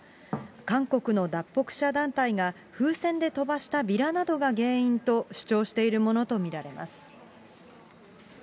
韓国の脱北者団体が風船で飛ばしたビラなどが原因と主張しているものと見られます。